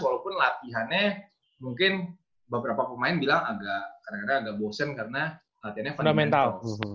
walaupun latihannya mungkin beberapa pemain bilang agak bosen karena latihannya fundamental